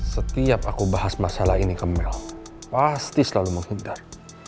setiap aku bahas masalah ini ke mel pasti selalu menghindar